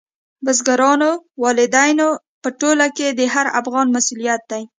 بزګرانو، والدینو په ټوله کې د هر افغان مسؤلیت دی.